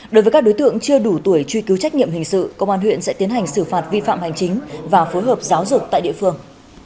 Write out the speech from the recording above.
đối với các đối tượng chưa đủ tuổi truy cứu trách nhiệm hình sự công an huyện sẽ tiến hành xử phạt vi phạm hành chính và phối hợp giáo dục tại địa phương